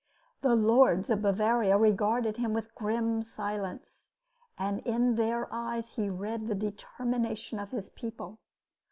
The lords of Bavaria regarded him with grim silence; and in their eyes he read the determination of his people.